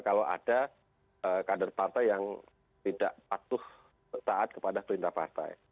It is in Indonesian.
kalau ada kader partai yang tidak patuh taat kepada perintah partai